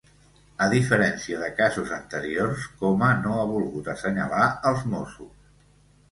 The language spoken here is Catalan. A diferència de casos anteriors, Coma no ha volgut assenyalar els mossos.